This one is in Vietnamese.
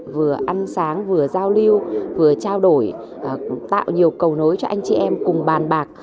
vừa ăn sáng vừa giao lưu vừa trao đổi tạo nhiều cầu nối cho anh chị em cùng bàn bạc